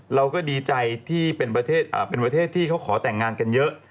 เราก็ดีใจที่เป็นประเทศที่เขาขอแต่งงานกันเยอะ